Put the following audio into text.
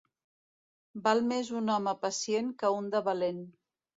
Val més un home pacient que un de valent.